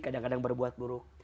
kadang kadang berbuat buruk